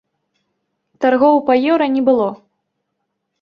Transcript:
Таргоў па еўра не было.